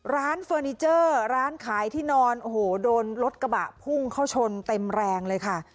เฟอร์นิเจอร์ร้านขายที่นอนโอ้โหโดนรถกระบะพุ่งเข้าชนเต็มแรงเลยค่ะ